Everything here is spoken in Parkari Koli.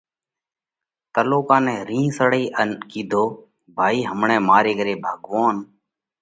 تلُوڪا نئہ رِينه سڙئِي ان ڪِيڌو: ڀائِي همڻئہ ماري گھري ڀڳوونَ